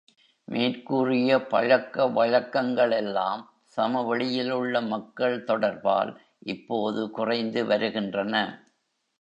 மேற் கூறிய பழக்கவழக்கங்களெல்லாம், சமவெளியிலுள்ள மக்கள் தொடர்பால் இப்போது குறைந்துவருகின்றன.